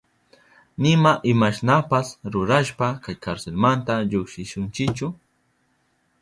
Nima imashnapas rurashpa kay karselmanta llukshishunchichu.